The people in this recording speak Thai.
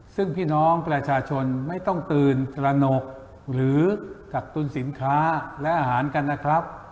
ซึ่งพี่น้องประชาชนไม่ต้องตื่นตระหนกหรือกักตุ้นสินค้าและอาหารกันนะครับ